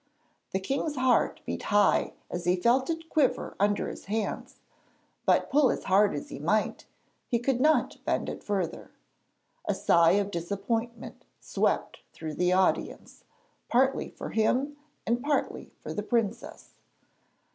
The king's heart beat high as he felt it quiver under his hands, but, pull as hard as he might, he could not bend it further. A sigh of disappointment swept through the audience, partly for him and partly for the princess.